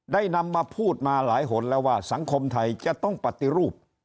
นำมาพูดมาหลายหนแล้วว่าสังคมไทยจะต้องปฏิรูป